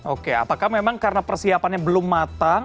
oke apakah memang karena persiapannya belum matang